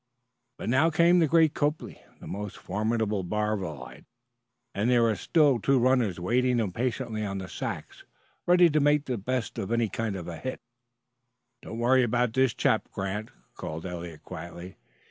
But now came the great Copley, the most formidable Barvilleite, and there were still two runners waiting impatiently on the sacks, ready to make the best of any kind of a hit. "Don't worry about this chap, Grant," called Eliot quietly.